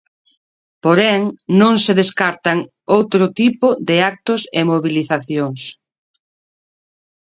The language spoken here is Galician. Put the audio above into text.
Porén, non se descartan outro tipo de actos e mobilizacións.